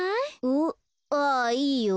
うあいいよ。